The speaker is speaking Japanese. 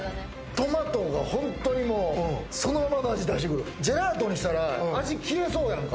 トマトが本当にもう、そのままの味出してくる、ジェラートにしたら、味消えそうやんか。